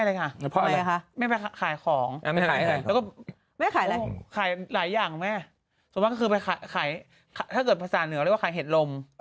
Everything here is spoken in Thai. เลยมากของไม่หายอะไรหลายอย่างแม่คือไปค่ะถ้าเกิดภาษาเหนือแล้วขายเผ็ดลม